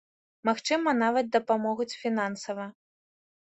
Магчыма, нават дапамогуць фінансава.